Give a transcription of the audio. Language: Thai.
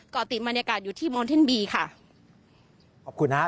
ก่อติดบรรยากาศอยู่ที่ค่ะขอบคุณนะฮะ